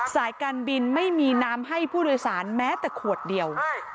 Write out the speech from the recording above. สายการบินไม่มีน้ำให้ผู้โดยสารแม้แต่ขวดเดียว